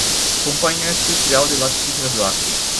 Companhia Industrial de Laticínios do Acre